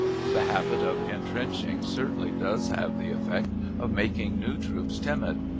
The habit of intrenching certainly does have the effect of making new troops timid.